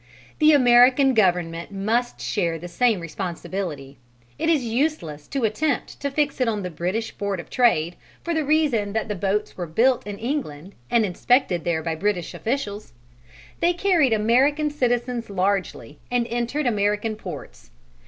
The American Government must share the same responsibility: it is useless to attempt to fix it on the British Board of Trade for the reason that the boats were built in England and inspected there by British officials. They carried American citizens largely, and entered American ports.